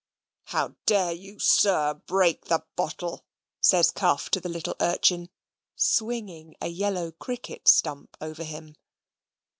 "How dare you, sir, break the bottle?" says Cuff to the little urchin, swinging a yellow cricket stump over him.